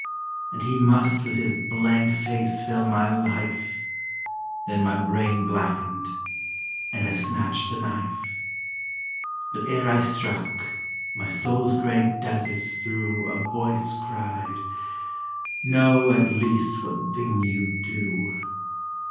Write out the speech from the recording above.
And he must with his blank face fill my life Then my brain blackened; and I snatched a knife. But ere I struck, my soul's grey deserts through A voice cried, 'Know at least what thing you do.'